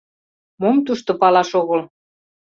— Мом тушто палаш огыл?